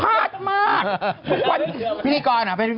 พาดมากทุกครั้งเดียว